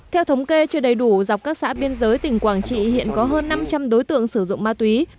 theo thống kê chưa đầy đủ dọc các xã biên giới tỉnh quảng trị hiện có hơn năm trăm linh đối tượng sử dụng ma túy